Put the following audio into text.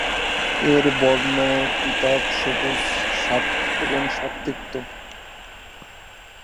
এর বর্ণ পীতাভ-সবুজ এবং স্বাদ তিক্ত।